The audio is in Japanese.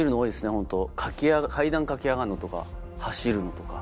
ホント階段駆け上がるのとか走るのとか。